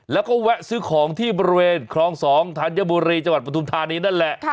แล้วก็แวะซื้อของที่บริเวณคลอง๒ธัญบุรีจังหวัดปฐุมธานีนั่นแหละ